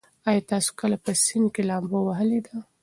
ایا تاسي کله په سیند کې لامبو وهلې ده؟